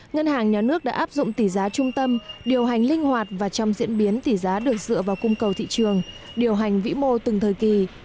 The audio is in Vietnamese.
ngân hàng nhà nước đã áp dụng tỷ giá trung tâm điều hành linh hoạt và trong diễn biến tỷ giá được dựa vào cung cầu thị trường điều hành vĩ mô từng thời kỳ